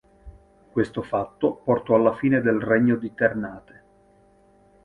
Questo fatto portò alla fine del regno di Ternate.